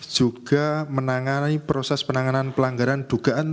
juga menangani proses penanganan pelanggaran dugaan